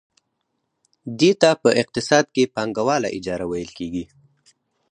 دې ته په اقتصاد کې پانګواله اجاره ویل کېږي